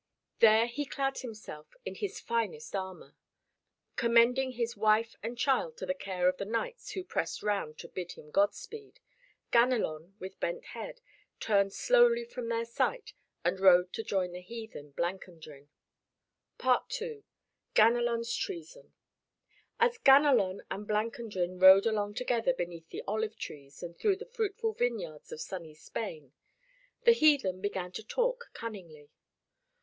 There he clad himself in his finest armor. Commending his wife and child to the care of the knights who pressed round to bid him Godspeed, Ganelon, with bent head, turned slowly from their sight and rode to join the heathen Blancandrin. II GANELON'S TREASON As Ganelon and Blancandrin rode along together beneath the olive trees and through the fruitful vineyards of sunny Spain, the heathen began to talk cunningly.